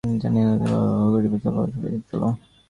তিনি দুইজনের হাত ধরিয়া ঘরের দিকে টানিয়া লইয়া কহিলেন, চলো, শোবে চলো।